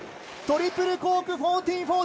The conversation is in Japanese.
トリプルコーク１４４０！